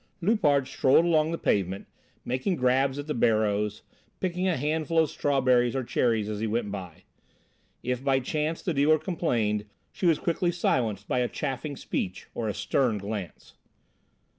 Loupart strolled along the pavement, making grabs at the barrows, picking a handful of strawberries or cherries as he went by. If by chance the dealer complained, she was quickly silenced by a chaffing speech or a stern glance.